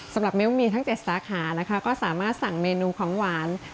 มิ้วมีทั้ง๗สาขานะคะก็สามารถสั่งเมนูของหวาน